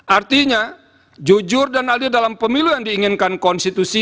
artinya jujur dan adil dalam pemilu yang diinginkan konstitusi